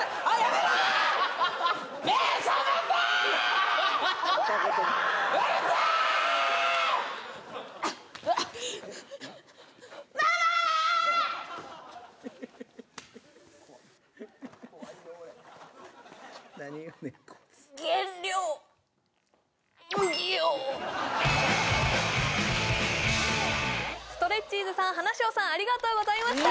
しょーさんありがとうございました！